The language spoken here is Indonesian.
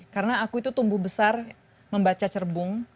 karena aku itu tumbuh besar membaca cerbung